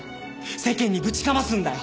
世間にぶちかますんだよ。